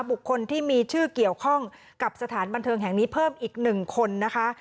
บุคคลที่มีชื่อเกี่ยวข้องกับสถานบันเทิงแห่งนี้เพิ่มอีก๑คนนะคะ